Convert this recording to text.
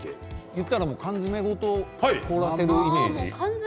言うたら缶詰ごと凍らせるイメージ。